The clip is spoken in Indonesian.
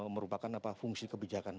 merupakan apa fungsi kebijakan